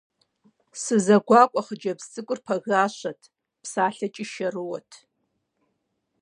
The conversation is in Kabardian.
СызэгуэкӀуа хъыджэбз цӀыкӀур пагащэт, псалъэкӀи шэрыуэт.